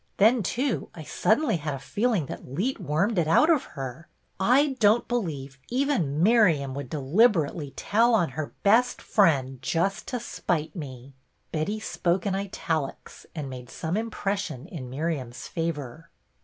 Then, too, I suddenly had a feeling that Leet wormed it out of her. / don't believe even Miriam would deliberately tell on her best friend just to spite me" Betty spoke in italics and made some impression in Miriam's favor.